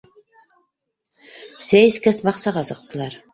Сәй эскәс баҡсаға сыҡтылар.